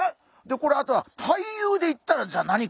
でこれあとは俳優で言ったらじゃあ何か？